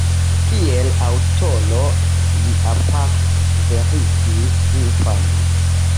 Kiel aŭtoro li aparte verkis infanan literaturon.